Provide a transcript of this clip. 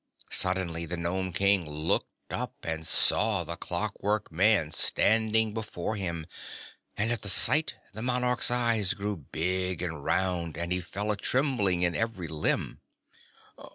Suddenly the Nome King looked up and saw the Clockwork Man standing before him, and at the sight the monarch's eyes grew big and round and he fell a trembling in every limb.